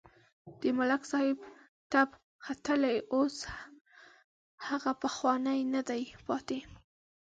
د ملک صاحب تپ ختلی اوس هغه پخوانی نه دی پاتې.